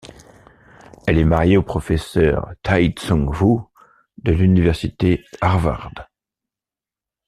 Elle est mariée au professeur Tai Tsun Wu de l'université Harvard.